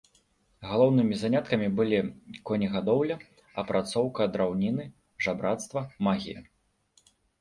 Галоўнымі заняткамі былі конегадоўля, апрацоўка драўніны, жабрацтва, магія.